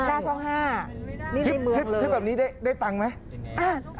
หน้าช่องห้านี่ได้เมืองเลยคลิปแบบนี้ได้ได้ตังค์ไหม